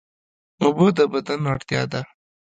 اوبه د بدن اړتیا ده